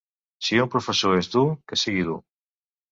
Si un professor és dur, que sigui dur.